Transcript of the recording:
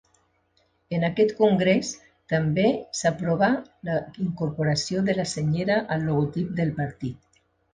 En aquest congrés també s'aprovà la incorporació de la senyera al logotip del partit.